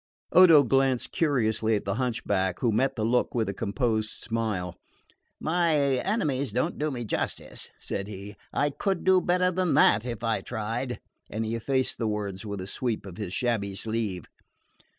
Odo glanced curiously at the hunchback, who met the look with a composed smile. "My enemies don't do me justice," said he; "I could do better than that if I tried;" and he effaced the words with a sweep of his shabby sleeve.